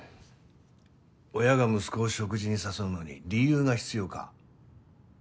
親が息子を食事に誘うのに理由が必要か？